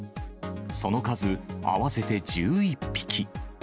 その数、合わせて１１匹。